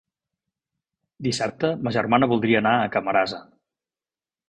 Dissabte ma germana voldria anar a Camarasa.